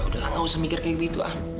udah lah gak usah mikir kayak begitu ah